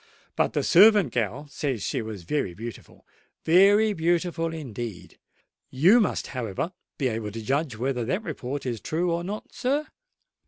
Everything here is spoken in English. But the servant gal says she was very beautiful—very beautiful indeed! You must, however, be able to judge whether that report is true or not, sir?"